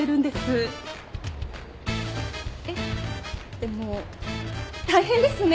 でも大変ですね